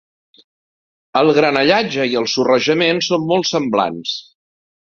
El granallatge i el sorrejament són molt semblants.